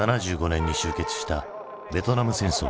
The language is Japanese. １９７５年に終結したベトナム戦争。